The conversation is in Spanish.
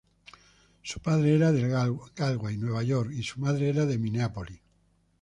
Su padre era de Galway, Nueva York, y su madre era de Mineápolis.